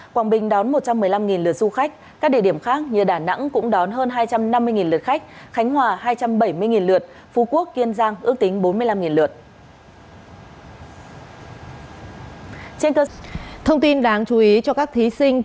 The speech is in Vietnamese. quảng bình đón một trăm một mươi năm lượt du khách